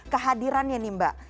kehadirannya nih mbak